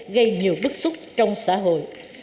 gây nhiều bức xúc trong xã hội